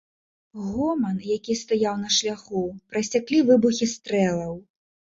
Гоман, які стаяў на шляху, прасяклі выбухі стрэлаў.